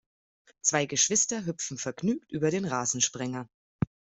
Zwei Geschwister hüpfen vergnügt über den Rasensprenger.